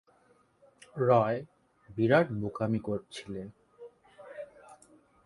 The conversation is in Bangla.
রয়, বিরাট বোকামি করছিলে।